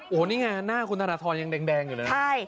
โอ้โหนี่ไงหน้าคุณธนทรยังแดงอยู่เลย